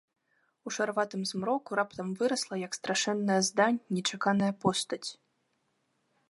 У шараватым змроку раптам вырасла, як страшэнная здань, нечаканая постаць.